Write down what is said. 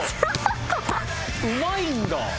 うまいんだ。